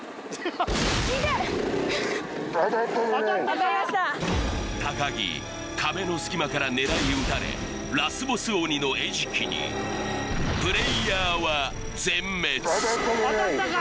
当たりました木壁の隙間から狙い撃たれラスボス鬼の餌食にプレイヤーは全滅当たったぞ！